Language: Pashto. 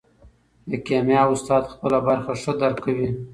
د کیمیا استاد خپله برخه ښه درک کوي.